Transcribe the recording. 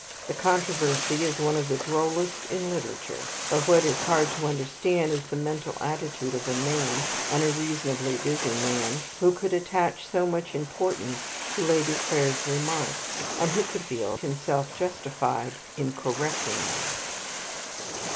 The controversy is one of the drollest in literature; but what is hard to understand is the mental attitude of a man and a reasonably busy man who could attach so much importance to Lady Clare's remarks, and who could feel himself justified in correcting them.